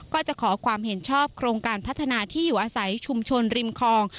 ก็จะขอความเห็นชอบโครงการพัฒนาที่อยู่อาศัยชุมชนริมคลอง